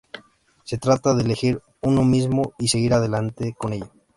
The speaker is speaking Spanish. Se trata de elegir uno mismo y seguir adelante con ello.